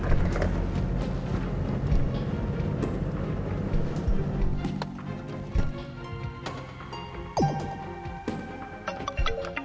aku juga pengen bantuin dia